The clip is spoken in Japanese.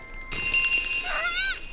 あっ！